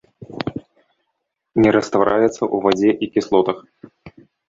Не раствараецца ў вадзе і кіслотах.